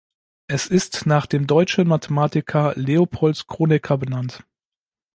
Es ist nach dem deutschen Mathematiker Leopold Kronecker benannt.